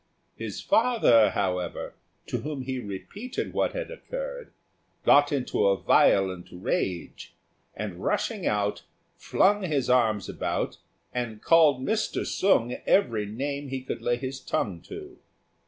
His father, however, to whom he repeated what had occurred, got into a violent rage, and, rushing out, flung his arms about, and called Mr. Sung every name he could lay his tongue to.